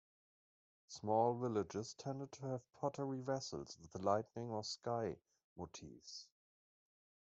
Small villages tended to have pottery vessels with lightning, or sky, motifs.